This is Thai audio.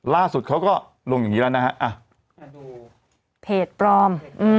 ล่าสุดเขาก็ลงอย่างนี้แล้วนะฮะอ่ะดูเพจปลอม